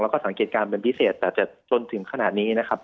แล้วก็สังเกตการณ์เป็นพิเศษแต่จะจนถึงขนาดนี้นะครับ